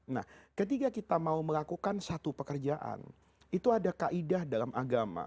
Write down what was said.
nah ketika kita mau melakukan satu pekerjaan itu ada kaidah dalam agama